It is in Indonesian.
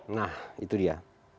nah itu dia